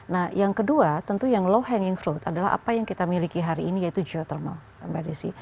nah yang kedua tentu yang low hanging fruit adalah apa yang kita miliki hari ini yaitu geothermal mbak desi